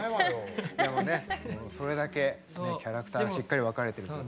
それだけキャラクターがしっかり分かれてるから。